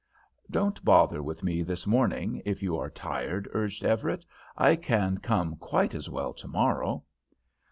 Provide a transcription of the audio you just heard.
"Don't bother with me this morning, if you are tired," urged Everett. "I can come quite as well tomorrow."